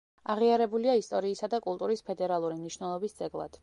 აღიარებულია ისტორიისა და კულტურის ფედერალური მნიშვნელობის ძეგლად.